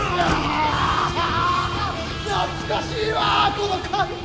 懐かしいわこの感覚！